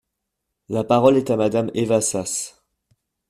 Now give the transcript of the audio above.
La parole est à Madame Eva Sas.